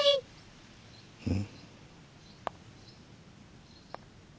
うん？